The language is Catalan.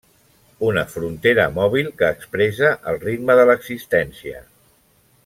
Una frontera mòbil que expressa el ritme de l'existència.